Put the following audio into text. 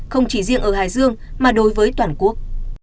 không chỉ riêng ở hải dương mà đối với toàn quốc